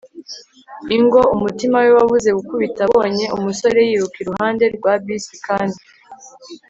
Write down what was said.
ingo. 'umutima we wabuze gukubita abonye umusore yiruka iruhande rwa bisi kandi